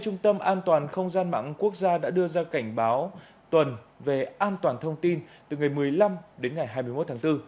trung tâm an toàn không gian mạng quốc gia đã đưa ra cảnh báo tuần về an toàn thông tin từ ngày một mươi năm đến ngày hai mươi một tháng bốn